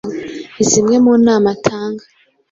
Zimwe mu nama atanga